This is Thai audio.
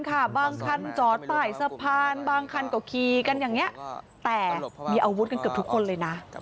กำลังเลิกงานอย่างนี้แต่มีอาวุธกันกับทุกคนเลยนะ